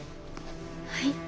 はい。